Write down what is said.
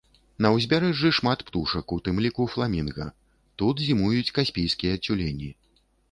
На ўзбярэжжы шмат птушак, у тым ліку фламінга, тут зімуюць каспійскія цюлені.